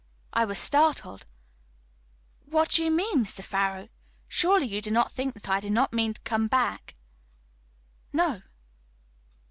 I was startled. "What do you mean, Mr. Farrow? Surely you do not think that I do not mean to come back?" "No."